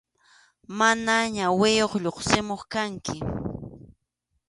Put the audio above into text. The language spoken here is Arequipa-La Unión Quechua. Mana ñawiyuq lluqsimuq kanki.